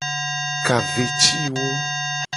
Ka ve ci wo.